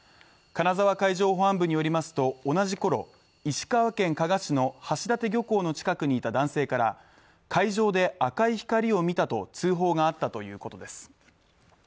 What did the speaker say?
金沢海上保安部によりますと同じころ、石川県加賀市の橋立漁港の近くにいた男性から海上で赤い光を見たと通報があったということです。